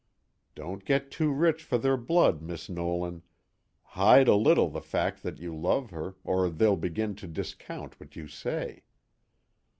_Don't get too rich for their blood, Miss Nolan! Hide a little the fact that you love her, or they'll begin to discount what you say.